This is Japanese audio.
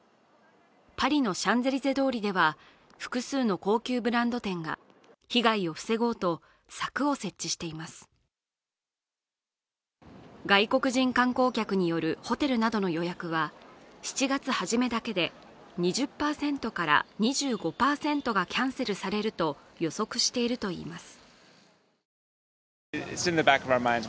パリのシャンゼリゼ通りでは、複数の高級ブランド店が被害を防ごうと、柵を設置しています外国人観光客によるホテルなどの予約は７月初めだけで２０％から２５％がキャンセルされると予測しているといいます。